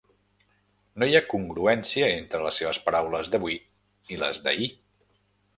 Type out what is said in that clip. No hi ha congruència entre les seves paraules d'avui i les d'ahir.